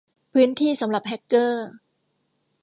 พื้นที่สำหรับแฮกเกอร์